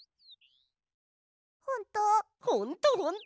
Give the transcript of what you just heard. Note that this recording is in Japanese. ほんと？